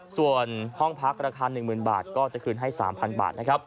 ส่วนห้องพักราคา๑๐๐๐บาทก็จะคืนให้๓๐๐บาทนะครับ